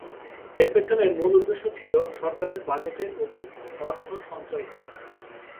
এর পেছনে মূল উদ্দেশ্য ছিলো সরকারের বাজেটে অধিক অর্থ সঞ্চয় করা।